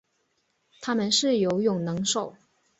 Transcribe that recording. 它们是游泳能手。